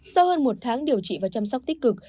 sau hơn một tháng điều trị và chăm sóc tích cực